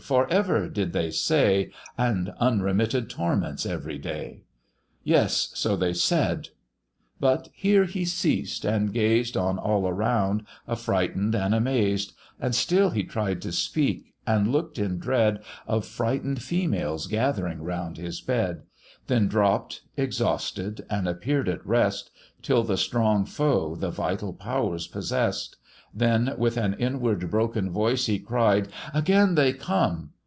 for ever!' did they say, 'And unremitted torments every day' Yes, so they said" But here he ceased and gazed On all around, affrighten'd and amazed; And still he tried to speak, and look'd in dread Of frighten'd females gathering round his bed; Then dropp'd exhausted, and appear'd at rest, Till the strong foe the vital powers possess'd; Then with an inward, broken voice he cried, "Again they come!"